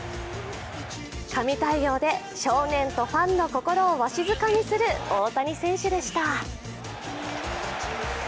神対応で少年とファンの心をわしづかみする大谷選手でした。